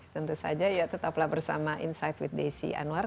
tentu saja ya tetaplah bersama insight with desi anwar